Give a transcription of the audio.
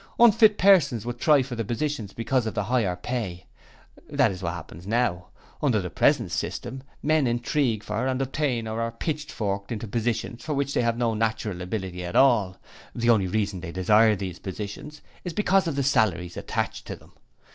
Unfit persons would try for the positions because of the higher pay. That is what happens now. Under the present system men intrigue for and obtain or are pitchforked into positions for which they have no natural ability at all; the only reason they desire these positions is because of the salaries attached to them.